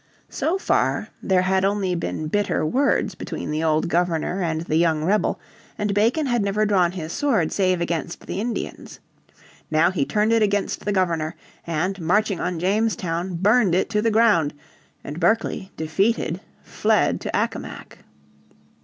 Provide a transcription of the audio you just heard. So far there had only been bitter words between the old Governor and the young rebel, and Bacon had never drawn his sword save against the Indians. Now he turned it against the Governor, and, marching on Jamestown, burned it to the ground, and Berkeley, defeated, fled to Accomac.